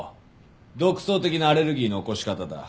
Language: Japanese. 独創的なアレルギーの起こし方だ。